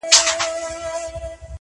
تر غوړ لمر لاندي يې تل كول مزلونه؛